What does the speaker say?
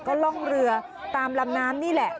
ก็ล่องเรือตามลำน้ำนี่แหละ